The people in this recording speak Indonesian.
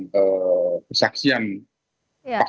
keseluruhan kesehatan yang ada di dalam kesehatan ini